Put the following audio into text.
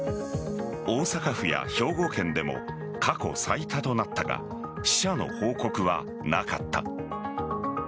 大阪府や兵庫県でも過去最多となったが死者の報告はなかった。